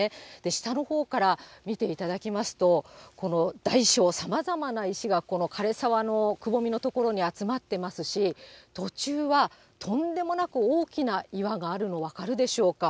下のほうから見ていただきますと、この大小さまざまな石が枯れ沢のくぼみの所に集まってますし、途中はとんでもなく大きな岩があるのが分かるでしょうか。